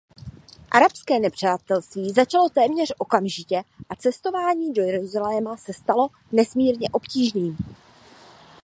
Arabské nepřátelství začalo téměř okamžitě a cestování do Jeruzaléma se stalo nesmírně obtížným.